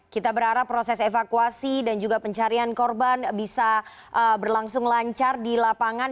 kita berharap proses evakuasi dan juga pencarian korban bisa berlangsung lancar di lapangan